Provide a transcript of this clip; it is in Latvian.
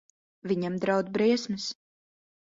Viņam draud briesmas.